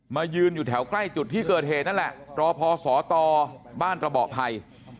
ยืนอยู่แถวใกล้จุดที่เกิดเหตุนั่นแหละรอพอสตบ้านระเบาะภัย